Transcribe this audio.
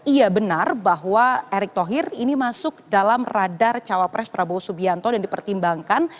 iya benar bahwa erick thohir ini masuk dalam radar cawapres prabowo subianto dan dipertimbangkan